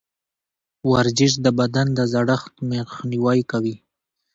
ورزش د بدن د زړښت مخنیوی کوي.